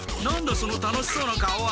その楽しそうな顔は。